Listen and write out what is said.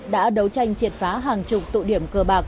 đã đấu tranh triệt phá hàng chục